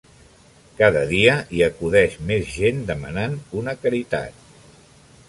Cada dia hi acudeix més gent demanant una caritat.